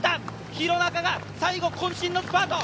廣中が最後こん身のスパート。